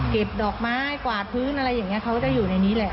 ดอกไม้กวาดพื้นอะไรอย่างนี้เขาก็จะอยู่ในนี้แหละ